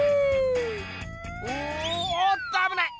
おっとあぶない！